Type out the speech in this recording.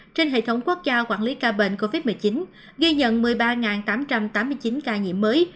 trên hệ thống quốc gia quản lý ca bệnh covid một mươi chín ghi nhận một mươi ba tám trăm tám mươi chín ca nhiễm mới